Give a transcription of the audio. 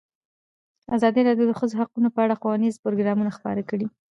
ازادي راډیو د د ښځو حقونه په اړه ښوونیز پروګرامونه خپاره کړي.